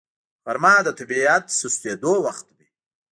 غرمه د طبیعي سستېدو وخت وي